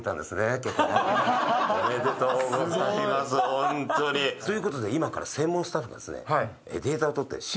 すごい。ということで今から専門スタッフがですねデータをとって。